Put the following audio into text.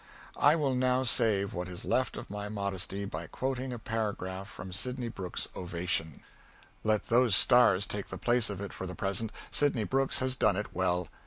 I will now save what is left of my modesty by quoting a paragraph from Sydney Brooks's "Ovation." Let those stars take the place of it for the present. Sydney Brooks has done it well.